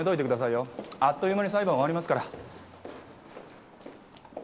あっという間に裁判終わりますから。